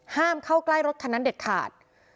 ห้ามเข้าใกล้รถคันนั้นเด็ดขาด